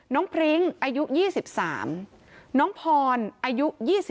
พริ้งอายุ๒๓น้องพรอายุ๒๓